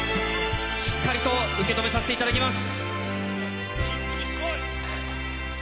しっかりと受け止めさせていただきます。